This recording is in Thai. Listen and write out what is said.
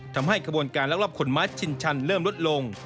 ทำให้ขบวนการรักรอบขนมัดชินชันเริ่มลดลง